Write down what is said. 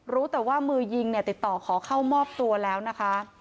รู้แต่ว่ามือยิงเนี่ยติดต่อขอเข้ามอบตัวแล้วนะคะ